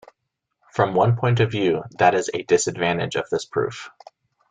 From one point of view, that is a disadvantage of this proof.